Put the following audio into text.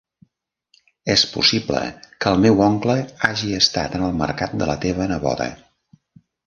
És possible que el meu oncle hagi estat en el mercat de la teva neboda.